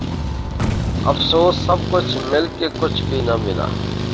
افسوس سب کچھ مل کے کچھ بھی ناں ملا